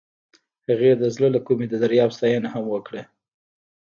هغې د زړه له کومې د دریاب ستاینه هم وکړه.